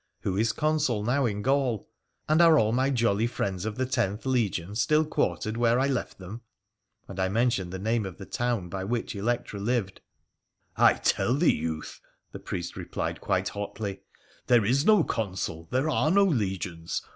' Who is Consul now in Gaul ? And are all my jolly friends of the Tenth Legion still quartered where I left them ?'— and I mentioned the name of the town by which Electra lived. ' I tell thee, youth,' the priest replied quite hotly, ' there is no Consul, there are no legions.